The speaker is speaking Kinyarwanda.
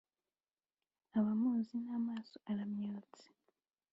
abamuzi n’amaso aramyotse,